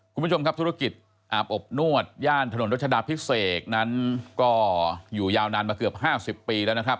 คุณผู้ชมครับธุรกิจอาบอบนวดย่านถนนรัชดาพิเศษนั้นก็อยู่ยาวนานมาเกือบ๕๐ปีแล้วนะครับ